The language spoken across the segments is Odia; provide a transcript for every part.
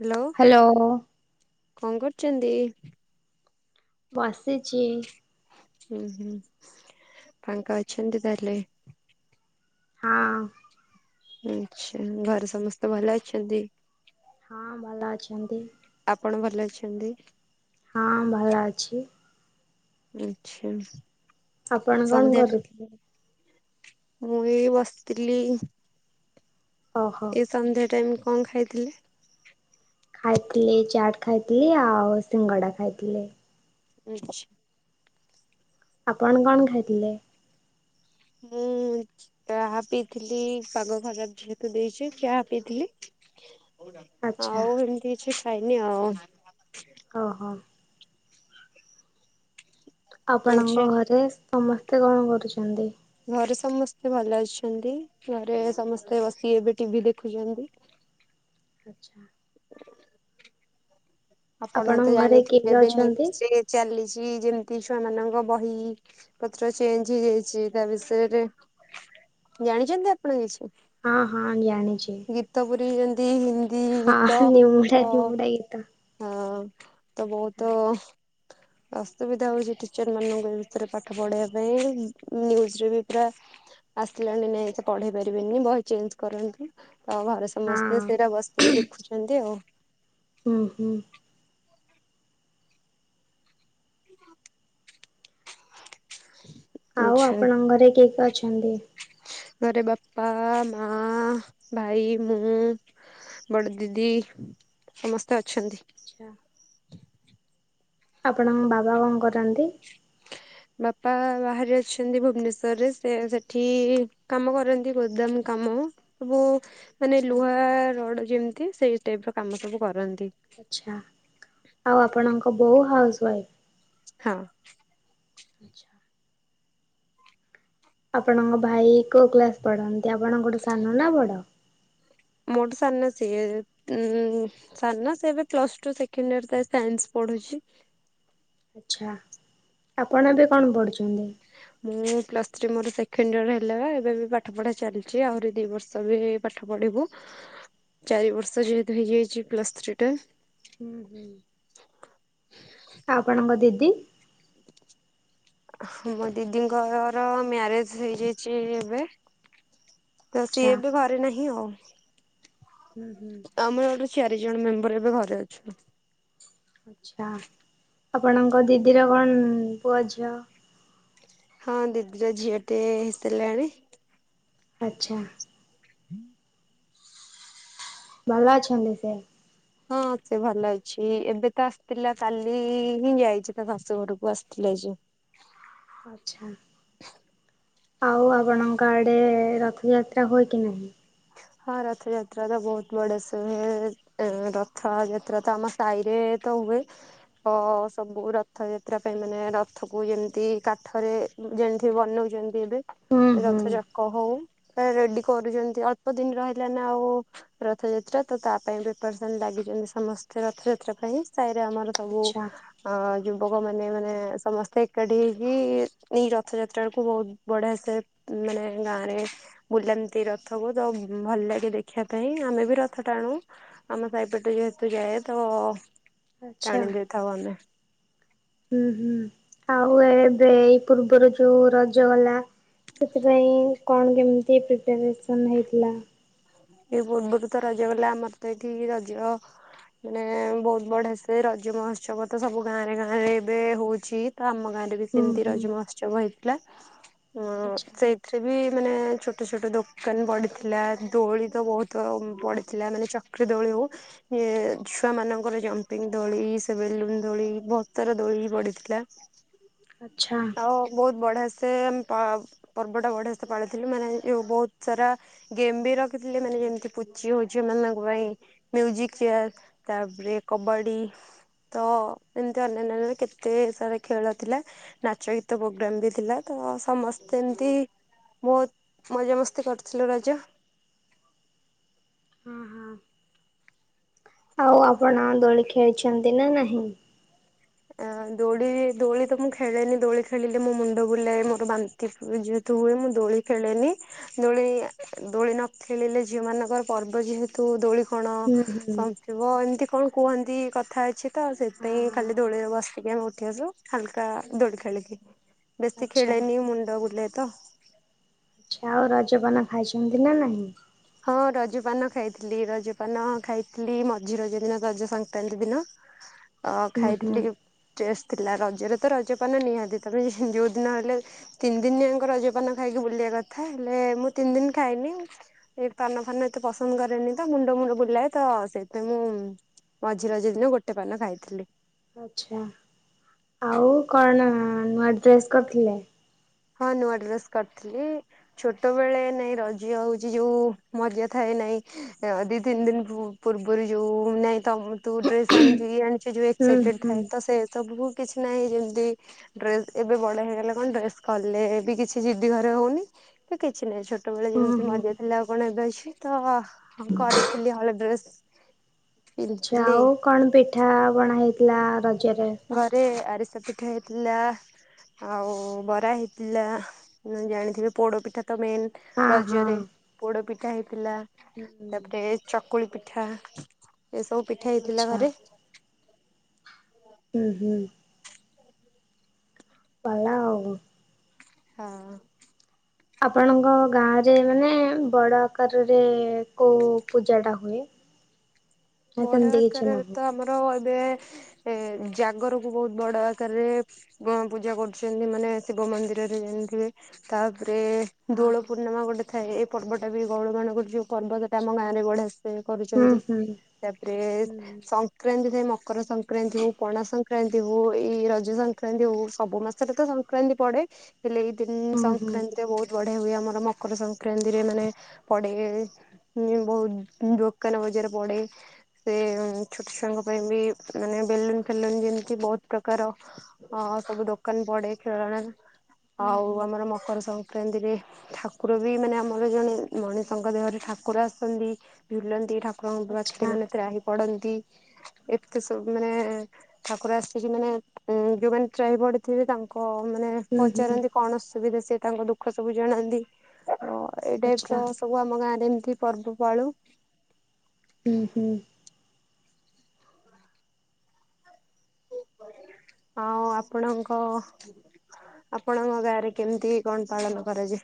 ହାଲୋ। ହାଲୋ। କଣ କରୁଚନ୍ତି? ବସିଚି। ଉଁ ହୁଁ ଫାଙ୍କା ଅଛନ୍ତି ତାହେଲେ। ହଁ। ଆଚ୍ଛା ଘରେ ସମସ୍ତେ ଭଲ ଅଛନ୍ତି? ହଁ ଭଲ ଅଛନ୍ତି। ଆପଣ ଭଲ ଅଛନ୍ତି? ହଁ ଭଲ ଅଛି। ଆଚ୍ଛା। ଆପଣ କଣ ସନ୍ଧ୍ୟାରେ କରୁଥିଲେ? ମୁଁ ଏଇ ବସିଥିଲି। ଓହୋ। ଏଇ ସନ୍ଧ୍ୟା ଟାଇମ କଣ ଖାଇଥିଲେ? ଖାଇଥିଲି ଚାଟ୍ ଖାଇଥିଲି ଆଉ ସିଙ୍ଗଡା ଖାଇଥିଲି। ଆଚ୍ଛା। ଆପଣ କଣ ଖାଇଥିଲେ? ମୁଁ ଚାହା ପିଇଥିଲି ପାଗ ଫାଗ ଯେହେତୁ ଦେଇଚି ଚାହା ପିଇଥିଲି। ଆଚ୍ଛା। ଆଉ ଏମିତି କିଛି ଖାଇନି ଆଉ। ଓହୋ। ଆଚ୍ଛା ଆପଣଙ୍କ ଘରେ ସମସ୍ତେ କଣ କରୁଛନ୍ତି। ଘରେ ସମସ୍ତେ ଭଲ ଅଛନ୍ତି। ଘରେ ସମସ୍ତେ ବସିିକି ଏବେ ଟିଭି ଦେଖୁଛନ୍ତି। ଆଚ୍ଛା। [inaudible] ଆପଣ ଆପଣଙ୍କ ତ ଘରେ କିଏ ଜାଣିଥିବେ କିଏ ଏବେ ଅଛନ୍ତି? ନିଉଜ ଚାଲିଚି ଯେମତି ଛୁଆ ମାନଙ୍କ ବହି ପତ୍ର ଚେଞ୍ଜ ହେଇଯାଇଚି ତା ବିଷୟରେ ଜାଣିଛନ୍ତି ଆପଣ କିଛି? ହଁ ହଁ ଜାଣିଚି। ଗୀତ ପୁୁରି ଯେମିତି ହିନ୍ଦୀ ହଁ ଗୀତ ନିମୁଡା ତ ନିମୁଡା ଗୀତ। ହଁ ତ ବହୁତ ଅସୁବିଧା ହୋଉଚି ଟିଚର ମାନଙ୍କ ଭିତରେ ପାଠ ପଢେଇବା ପାଇଁ ନିଉଜରେ ବି ପୁରା ଆସିଲାଣି ନାଇଁ ପଢେଇ ପାରିବିନି ବହି ଚେଞ୍ଜ କରନ୍ତୁ। ତ ଘରେ ସମସ୍ତେ ହଁ ସେଇରା ବସିକି ଦେଖୁଚନ୍ତି ଆଉ। ଉଁ ହୁଁ। ହ [unintelligible] ଆଉ ଆପଣଙ୍କ ଘରେ କିଏ କି ଏଅଛନ୍ତି? ଘରେ ବାପା, ମା, ଭାଇ ମୁଁ ବଡ ଦିଦି ସମସ୍ତେ ଅଛନ୍ତି। ଆଚ୍ଛା। ଆପଣଙ୍କ ବାବା କଣ କରନ୍ତି? ବାପା ବାହାରେ ଅଛନ୍ତି। ଭୁବନେଶ୍ଵରରେ ସେ ସେଠି କାମ କରନ୍ତି ଗୋଦାମ କାମ। ସବୁ ମାନେ ଆଚ୍ଛା ଲୁହା ରଡ ଯେମିତି ସେଇ ଟାଇପର କାମ ସବୁ କରନ୍ତି। ଆଛା। ଆଉ ଆପଣଙ୍କ ବୋଉ ହାଉସ ୱାଇଫ? ହଁ। ଆଚ୍ଛା। ଆପଣଙ୍କ ଭାଇ କୋଉ କ୍ଲାସ ପଢନ୍ତି? ଆପଣଙ୍କ ଠୂ ସାନ ନା ବଡ? ମୋଠୁ ସାନ ସିଏ ଉଁ ସାନ ସେ ଏବେ ପ୍ଲସ ଟୁ ସେକେଣ୍ଡିୟର ତାର ସାଇନ୍ସି ପଢୁଛି। ଆଛା ଆପଣ ଏବେ କଣ ପଢୁଛନ୍ତି? ମୁଁ ପ୍ଲସ ଥ୍ରୀ ମୋର ସେକେଣ୍ଡ ଇୟର ହେଲା ଏବେ ବି ପାଠ ପଢ଼ା ଚାଲିଛି ଆହୁରି ଦି ବର୍ଷ ବି ପାଠ ପଢିବୁ ଚାରି ବର୍ଷ ଯେହେତୁ ହେଇଯାଇଛି ପ୍ଲସ ଥ୍ରୀ ଟା ହୁଁ ହୁଁ। ଆପଣଙ୍କ ଦିଦି? [inaudible] ମୋ ଦିଦିଙ୍କର ମ୍ୟାରେଜ ହେଇଯାଇଛି ଏବେ ତ ସିଏ ଆଚ୍ଛା ଏବେ ଘରେ ନାହିଁ ଆଉ ହୁଁ ହୁଁ। ଆମର ଆଡୁ ଚାରି ଜଣ ମେମ୍ବର ଏବେ ଘରେ ଅଛୁ। ଆଛା ଆପଣଙ୍କ ଦିଦିର କଣ ପୁଅ ଝିଅ? ହଁ ଦିଦିର ଝିଅ ଟେ ହେଇ ସାରିଲାଣି। ଆଛା। [inaudible] ଭଲ ଅଛନ୍ତି ସେ ହଁ ସେ ଭଲ ଅଛି ଏବେ ତ ଆସିଥିଲା କାଲି ହିଁ ଯାଇଚି ତା ଶାଶୁ ଘରକୁ ଆସିଥିଲା ଯେ ଆଛା। ଆଉ ଆପଣଙ୍କ ଆଡ଼େ ରଥଯାତ୍ରା ହୁଏ କି ନାହିଁ। ହଁ ରଥଯାତ୍ରା ବା ବହୁତ ବଡ଼ସେ ହୁଏ। ଏ ରଥଯାତ୍ରା ତ ଆମ ସାହିରେ ତ ହୁଏ ହଁ ସବୁ ରଥଯାତ୍ରା ପାଇଁ ମାନେ ରଥକୁ ଯେମିତି କାଠରେ ଯେମିତି ବନଉଛନ୍ତି ଏବେ ହୁଁ ହୁଁ ରଥଯାକ ହଉ ରେଡି କରୁଛନ୍ତି ଆଉ ଅଳ୍ପ ଦିନି ରହିଲା ଆଉ ରଥଯାତ୍ରା ତ ତା ପାଇଁ ବି ପିପେୟାରସନ ଲାଗିଛନ୍ତି ସମସ୍ତେ ରଥଯାତ୍ରା ପାଇଁ ସାଇରେ ଆମର ସବୁ ଆଚ୍ଛା ଅ ଯୁବକ ମାନେ ମାନେ ସମସ୍ତେ ଏକାଠି ହେଇକି ନି ରଥଯାତ୍ରା କୁ ବହୁତ ବଢ଼ିଆ ସେ ମାନେ ଗାଁ ରେ ବୁଲାନ୍ତି ରଥକୁ ତ ଭଲ ଲାଗେ ଦେଖିବା ପାଇଁ ଆମେ ବି ରଥ ଟାଣୁ ଆମ ସାହିପଟ ଯେହେତୁ ଯାଏ ତ ଆଚ୍ଛା। ଟାଣି ଦେଇଥାଉ ଆମେ। ହୁଁ ହୁଁ ଆଉ ଏ ଏବେ ଏଇ ପୂର୍ବରୁ ଯୋଉଁ ରଜ ଗଲା ସେଥିପାଇଁ କଣ କେମିତି ପ୍ରିପାରେସନ ହେଇଥିଲା? ଏଇ ପୂର୍ବରୁ ତ ରଜ ଗଲା ଆମର ତ ଏଇଠି ରଜ ମାନେ ବହୁତ ବଢିଆ ସେ ରଜ ମହୋତ୍ସବ ତ ସବୁ ଗାଁରେ ଗାଁ ରେ ଏବେ ହୋଉଚି ତ ଆମ ଗାଁରେ ହୁଁ ସେମିତି ହୁଁ ରଜ ମହୋତ୍ସବ ହେଇଥିଲା ଅ ଆଚ୍ଛା ସେ ଏଥିରେ ବି ମାନେ ଛୋଟ ଛୋଟ ଦୋକାନ ପଡ଼ିଥିଲା। ଦୋଳି ତ ବହୁତ ପଡ଼ିଥିଲା ମାନେ ଚକ୍ରି ଦୋଳି ହେଉ ଛୁଆ ମାନଙ୍କର ଜମ୍ପିଙ୍ଗ ଦୋଳି ସେ ବେଲୁନ ଦୋଳି ବହୁତ ସାରା ଦୋଳି ପଡିଥିଲା। ଆଚ୍ଛା ଆଉ ବହୁତ ବଢ଼ିଆ ସେ ସେ ପ ପର୍ବଟା ବଢ଼ିଆ ସେ ପାଳିଥିଲି ମାନେ ବହୁତ ସାରା ଗେମ୍ ବି ର ଦେଖଥିଲେ ମାନେ ଯେମିତି ପୁଚି ହେଉଛି ଝିଅ ମାନଙ୍କ ପାଇଁ ମ୍ୟୁଜିକ ଚେୟାର ତାପରେ କବାଡି ତ ଏମତି ଅନ୍ୟାନ୍ୟ କେତେ ସାରା ଖେଳ ଥିଲା। ନାଚ ଗୀତ ପ୍ରୋଗ୍ରାମ ବି ଥିଲା ତ ସମସ୍ତେ ଏମିତି ବହୁତ ମଜାମସ୍ତି କରୁଥିଲେ ରଜ। ହଁ ହଁ। ଆଉ ଆପଣ ଦୋଳି ଖେଳିଛନ୍ତି ନା ନାହିଁ? ଅ ଦୋଳି ଦୋଳି ତ ମୁଁ ଖେଳେନି ଦୋଳି ଖେଳିଲେ ମୋ ମୁଣ୍ଡ ବୁଲାଏ ମୋର ବାନ୍ତି ନ୍ତି ଯେହେତୁ ହୁଏ ମୁଁ ଦୋଳି ଖେଳେନି ଦୋଳି ଦୋଳି ନ ଖେଳିଲେ ଝିଅ ମାନଙ୍କର ପର୍ବ ଯେହେତୁ ତୁ ଦୋଳି କଣ ହୁଁ ହୁଁ ସନଥିବ ଏମତି କଣ କୁହନ୍ତି କଥା ଅଛି ତ ସେଥି ହଁ ପାଇଁ ହଁ ଖାଲି ଦୋଳିରେ ବସିକି ଆମେ ଉଠି ଆସିଲୁ ହାଲ୍କା ଦୋଳି ଖେଳିକି। ବେଶି ଆଚ୍ଛା। ଖେଳନି ମୁଣ୍ଡ ବୁଲାଏ ତ। ଛ ଆଉ ରଜ ପାନ ଖାଇ ଛନ୍ତି ନା ନାହିଁ? ହଁ ରଜ ପାନ ଖାଇ ଥିଲି ରଜ ପାନ ଖାଇ ଥିଲି ମଝି ରଜ ଦିନ ରଜ ସଂକ୍ରାନ୍ତି ଦିନ। ଅ ହୁଁ ହୁଁ ଖାଇଥିଲି ଚେସଟ୍ ଥିଲା ରଜରେ ତ ରଜପାନ ନିହାତି ତମେ ଯୋଉ ଦିନ ହେଲେ ତିନି ଦିନ ଯାଙ୍କ ରଜପାନ ଖାଇକି ବୁଲିବା କଥା। ହେଲେ ମୁଁ ତିନି ଦିନ ଖାଇନି। ଏଇ ପାନ ଫାନ ଏତେ ପସନ୍ଦ କରେନି ତ ମୁଣ୍ଡ ମୁଣ୍ଡ ବୁଲାଏ ତ ସେଇଥିାଇଁ ମୁଁ ମଝିରଜ ଦିନ ଗୋଟେ ପାନ ଖାଇଥିଲି। ଆଛା ଆଉ କଣ ନୂଆ ଡ୍ରେସ୍ କରିଥିଲେ? ହଁ ନୂଆ ଡ୍ରେସ୍ କରିଥିଲି। ଛୋଟବେେଳେ ନାଇଁ ରଜ ହଉଛି ଯୋଉ ମଜା ଥାଏ ନାଇଁ ଦି ତିନି ଦିନୁ ପୂର୍ବରୁ ଯୋଉ ନାଇଁ ତମ ତୁ ଡ୍ରେସ ଆଣିଛୁ ଇଏ ଆଣିଛୁ ଯୋଉ ହୁଁ ଏକ୍ସାଇଟେଡ ହୁଁ ଥାଏ ତ ସେ ସବୁକୁ କିଛି ନାହିଁ ଯେମିତି ଡ୍ରେସ ଏବେ ବଡ ହେଇଗଲେ କଣ ଡ୍ରେସ କଲେ ବି କିଛି ଜିଦି ଘରେ ହଉନି କି କିଛି ନାହିଁ ଛୋଟ ବେଳେ ହୁଁ ଯେମ୍ତି ହୁଁ। ମଜା ଥିଲା ଆଉ କଣ ଏବେ ଅଛି ତ କରିଥିଲି ହଳେ ଡ୍ରେସ୍। ଆଚ୍ଛା ଆଉ କଣ ପିଠା ପଣା ହେଇଥିଲା ରଜରେ? ଘରେ ଆରିସା ପିଠା ହେଇଥିଲା। ଆଉ ବରା ହେଇଥିଲା ଜାଣିଥିବେ ପୋଡ଼ ପିଠା ତ ମେନ୍। ହଁ ରଜରେ ହଁ ପୋଡ ପିଠା ହେଇଥିଲା ହୁଁ ତାପରେ ଚକୁଳି ପିଠା ଏସବୁ ପିଠା ହେଇଥିଲା ଆଚ୍ଛା ଘରେ। ହୁଁ ହୁଁ। ପାଲାଅବୁ ହଁ। ଆପଣଙ୍କ ଗାଁରେ ମାନେ ବଡ ଆକାରରେ କୋଉ ପୂଜାଟା ହୁଏ? ନା ବୋଡ ସେମିତି କିଛି ଦରକାରରେ ନାହିଁ ତ ଆମର ଏବେ ଏ ଜାଗରକୁ ବହୁତ ବଡ ଆକାରରେ ଶିବ ପୂଜା କରୁଛନ୍ତି ମାନେ ଶିବ ମନ୍ଦିରରେ ଜେମତିହୁଏ। ତାପରେ ହଁ ଦୋଳ ହଁ ପୂର୍ଣ୍ଣିମା ଗୋଟେଥାଏ ଏ ପର୍ବଟାବି ବଉଳ ମାନଙ୍କୁ ଜୁ ପର୍ବତଟା ଆମ ଆଚ୍ଛା ଗାଁରେ ବଢିଆସେ ହୁଁ କରୁଛନ୍ତି ହୁଁ ତାପରେ ହୁଁ ହୁଁ। ସ ସଂକ୍ରାନ୍ତି ଥାଏ ମକର ସଂକ୍ରାନ୍ତି ହଉ ପଣା ସଂକ୍ରାନ୍ତି ହଉ ଏଇ ରଜ ସଂକ୍ରାନ୍ତି ହଉ ସବୁ ମାସରେତ ସ ସଂକ୍ରାନ୍ତି ପଡେ ହେଲେ ଏଇ ଦିନ ହୁଁ ହୁଁ ସଂକ୍ରାନ୍ତି ବହୁତ ବଢିଆ ହୁଏ ଆମର ମକର ସଂକ୍ରାନ୍ତିରେ ମାନେ ପଡେ ହୁଁ ବହୁତ ଦୋକାନ ବଜାର ପଡେ। ସେ ଛୋଟ ଛୁଆଙ୍କ ପାଇଁ ବି ମାନେ ବେଲୁନ ଫେଲୁନ ଯେମିତି ବହୁତ ପ୍ରକାର ହଁ ସବୁ ଦୋକାନ ପଡେ। ଖେଳନା ହୁଁ ଆଉ ହୁଁ ଆମର ମକର ସଂକ୍ରାନ୍ତିରେ ଠାକୁର ବି ମାନେ ଆମର ଜଣେ ମଣିଷଙ୍କ ଦେହରେ ଠାକୁର ଆସନ୍ତି ଝୁଲନ୍ତି ଠାକୁ ଠାକୁରଙ୍କ ବ୍ୟାକ୍ତି ଆଚ୍ଛା ମାନେ ତ୍ରାହି ପଡନ୍ତି ଏତେ ସବୁ ମାନେ ଠାକୁର ଆସକି ମାନେ ଯୋଉମାନେ ତ୍ରାହି ପଡିଥିବେ ତାଙ୍କ ମାନେ ହୁଁ ହୁଁ ପଚାରନ୍ତି କଣ ଅସୁବିଧା ସେ ତାଙ୍କ ଦୁଃଖ ସବୁ ଜାଣନ୍ତି ଆ ଏଇଟାଇପର ଆଚ୍ଛା ସବୁ ଆମ ଗାଁରେ ଏମିତି ପର୍ବ ପାଳୁ। ହୁଁ ହୁଁ ଆଉ ଆପଣଙ୍କ ଆପଣଙ୍କ ଗାଁରେ କେମିତି କଣ ପାଳନ କରାଯାଏ।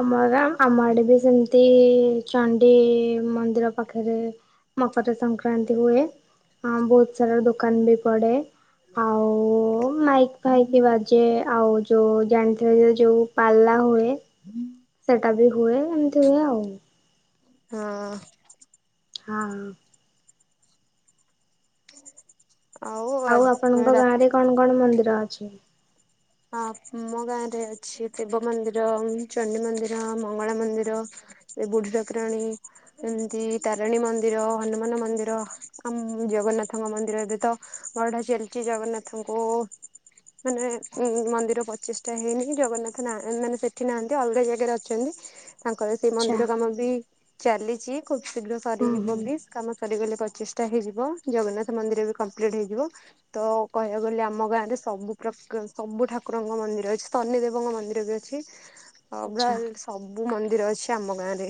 ଆମ ଗାଁ ଆମ ଆଡେ ବି ସେମିତି ଚଣ୍ଡି ମନ୍ଦିର ପାଖରେ ମକର ସଂକ୍ରାନ୍ତି ହୁଏ ବହୁତ ସାରା ଦୋକାନବି ପଡେ। ଆଉ ମାଇକ୍ ଫାଇକ ବା ଯେ ଆଉ ଯୋଉ ଜାଣିଥିବ ଯେ ଯୋଉ ପାଲା ହୁଏ। ହୁଁ। ସେଇଟା ବି ହୁଏ, ଏମତି ହୁଏ ଆଉ। ହଁ। ହଁ। ଆଉ ଆ ଆପଣଙ୍କ ରା ଗାଁ ରେ କଣ କଣ ମନ୍ଦିର ଅଛି? ହମ୍ ଆମ ଗାଁରେ ଅଛି ଶିବ ମନ୍ଦିର, ଚଣ୍ଡୀ ମନ୍ଦିର, ମଙ୍ଗଳା ମନ୍ଦିର ଏ ବୁଢୀ ଠାକୁରାଣୀ ଏମତି ତାରିଣୀ ମନ୍ଦିର, ହନୁମାନ ମନ୍ଦିର, ଆମ ଜଗନ୍ନାଥଙ୍କ ମନ୍ଦିର, ଏବେ ତ ଗଢା ଚାଲିଚି ଜଗନ୍ନାଥଙ୍କୁ ମାନେ ଉମ୍ ମନ୍ଦିର ପଚିଷ୍ଟା ହେଇନି, ଜଗନ୍ନାଥ ନାହ୍ ମାନେ ସେଠି ନାହାଁନ୍ତି ଅଲଗା ଜାଗାରେ ଅଛନ୍ତି ତାଙ୍କର ସେଇ ଆଛା ମନ୍ଦିର କାମ ବି ଚାଲିଚି, ଖୁବ ଶୀଘ୍ର ହୁଁ ସରିଯିବ ହୁଁ ବି କାମ ସରିଗଲେ ପଚିଷ୍ଟା ହେଇଯିବ, ଜଗନ୍ନାଥ ମନ୍ଦିର ବି କମ୍ପ୍ଲିଟ୍ ହେଇଯିବ। ତ କହିଆକୁ ଗଲେ ଆମ ଗାଁରେ ସବୁ ପ୍ରକା ସବୁ ଠାକୁରଙ୍କ ମନ୍ଦିର ଅଛି, ଶନି ଦେବଙ୍କ ମନ୍ଦିର ବି ଅଛି ଆଉ ଆଛା ବ୍ରାଲ୍ସ ସବୁ ମନ୍ଦିର ଅଛି ଆମ ଗାଁରେ।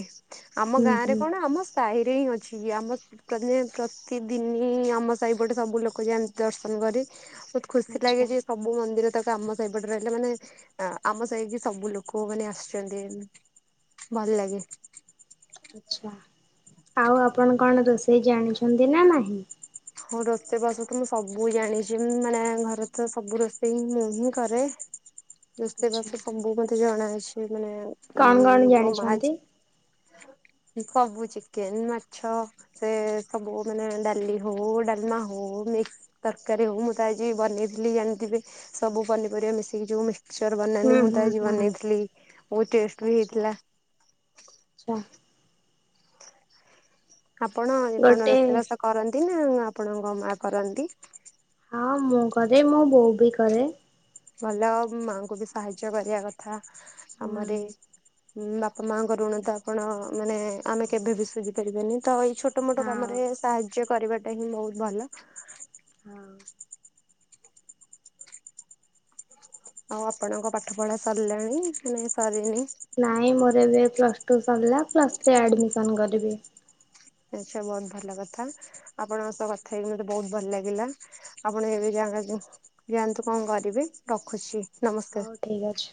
ଆମ ହୁଁ ଗାଁରେ ହୁଁ କଣ ଆମ ସାହିରେ ହିଁ ଅଛି କି ଆମ ପ୍ରତିଦିନ ପ୍ରତିଦିନି ଆମ ସାହିପଟେ ସବୁ ଲୋକ ଯାଆନ୍ତି ଦର୍ଶନ କରି। ଖୁସି ଆଛା ଲାଗେ ଯେ ସବୁ ମନ୍ଦିର ତକ ଆମ ସେଇପଟେ ରହିଲେ ମାନେ, ଆ-ଆମ ସାହିକି ସବୁ ଲୋକମାନେ ଆସିଛନ୍ତି। ଭଲ ଲାଗେ। ଆଚ୍ଛା। ଆଉ ଆପଣ କଣ ରୋଷେଇ ଜାଣିଛନ୍ତି ନା ନାହିଁ? ହଁ, ରୋଷେଇବାସ ତ ମୁଁ ସବୁ ଜାଣିଛି, ଉମ୍ ମାନେ ଘରେ ତ ସବୁ ରୋଷେଇ ହିଁ ମୁଁ ହିଁ କରେ। ଆଛା ରୋଷେଇବାସ ସବୁ ମତେ ଜଣା ଅଛି, ମାନେ କଣ କଣ ଉଁ ମୋ ମା ଜାଣିଛନ୍ତି? ସବୁ ଚିକେନ, ମାଛ, ସେ ସବୁ ମାନେ ଡାଲି ହଉ, ଡ଼ାଲମା ହଉ, ମିକ୍ସ ତରକାରୀ ହଉ, ମୁଁ ତ ଆଜି ବନେଇଥିଲି ଜାଣିଥିବେ, ସବୁ ପନିପରିବା ମିଶିକି ଯୋଉ ମିକ୍ ମିକ୍ସଚର ବନାନି ହୁଁ ମୁଁ ହୁଁ ତ ଆଜି ହୁଁ ବନେଇଥିଲି, ବହୁତ ଟେଷ୍ଟ ବି ଆଚ୍ଛା ହେଇଥିଲା। ଆଚ୍ଛା। ଆପଣ କଣ ଗୋଟେ ରୋଷେଇବାସ କରନ୍ତି ନା, ଆପଣଙ୍କ ମା କରନ୍ତି? ହଁ ମୁଁ କରେ, ମୋ ବୋଉ ବି କରେ। ଭଲ, ମାଙ୍କୁ ବି ସାହାଯ୍ୟ କରିଆ କଥା ହୁଁ କାମରେ। ଉମ୍ ବାପା ମାଙ୍କ ଋଣ ତ ଆପଣ ମାନେ ଆମେ କେଭେ ବି ସୁୁଝି ପାରିବାନି, ତ ଏଇ ଛୋଟ ମୋଟ ହଁ କାମରେ ହଁ। ସାହାଯ୍ୟ କରିବାଟା ହିଁ ବହୁତ ଭଲ। ହଁ। ଆଉ ଆପଣଙ୍କ ପାଠପଢା ସରିଲାଣି ନା ନାଇଁ ସରିନି? ନାଇଁ ମୋର ଏବେ ପ୍ଲସ୍ ଟୁ ସରିଲା, ପ୍ଲସ୍ ଥ୍ରୀ ଆଡ଼ମିସନ କରିବି। ଆଚ୍ଛା। ବହୁତ ଭଲ କଥା, ଆପଣଙ୍କ ସହ କଥା ହେଇକି ମତେ ବହୁତ ଭଲ ଲାଗିଲା ଆପଣ ଏବେ ଜାଗା ଯୋଉ, ଯାଆନ୍ତୁ କଣ କରିବେ, ରଖୁଛି ନମସ୍କାର। ଠିକ୍ ଅଛି।